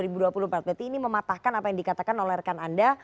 berarti ini mematahkan apa yang dikatakan oleh rekan anda